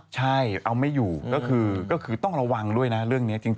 ใช่เอาไม่อยู่ก็คือต้องระวังด้วยนะเรื่องนี้จริง